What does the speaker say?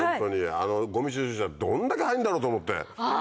ごみ収集車どんだけ入るんだろうと思って。